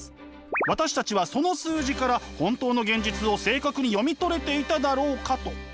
「私たちはその数字から本当の現実を正確に読み取れていただろうか」と。